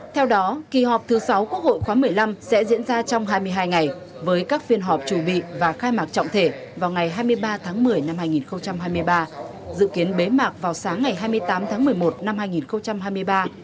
theo đó kỳ họp thứ sáu quốc hội khóa một mươi năm sẽ diễn ra trong hai mươi hai ngày với các phiên họp chủ bị và khai mạc trọng thể vào ngày hai mươi ba tháng một mươi năm hai nghìn hai mươi ba dự kiến bế mạc vào sáng ngày hai mươi tám tháng một mươi một năm hai nghìn hai mươi ba